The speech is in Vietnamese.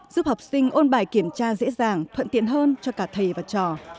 giúp học sinh ôn bài kiểm tra dễ dàng thuận tiện hơn cho cả thầy và trò